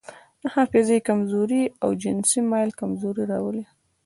د حافظې کمزوري او جنسي میل کمزوري راولي.